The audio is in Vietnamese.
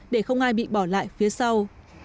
để không ai bị bỏ lại phía sau